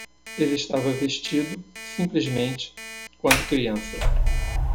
Ele estava vestido, simplesmente, quando criança.